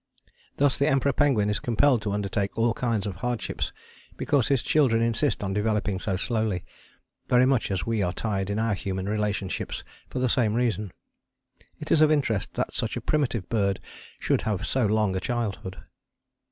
Thus the Emperor penguin is compelled to undertake all kinds of hardships because his children insist on developing so slowly, very much as we are tied in our human relationships for the same reason. It is of interest that such a primitive bird should have so long a childhood.